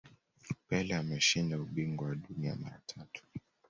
pele ameshinda ubingwa wa dunia mara tatu